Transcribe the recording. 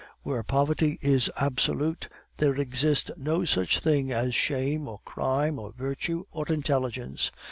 Where poverty is absolute there exist no such things as shame or crime, or virtue or intelligence.